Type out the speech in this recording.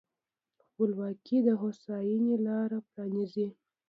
خپلواکي د هوساینې لاره پرانیزي.